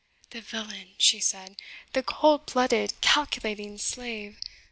"The villain," she said "the cold blooded, calculating slave!